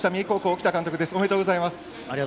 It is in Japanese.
ありがとうございます。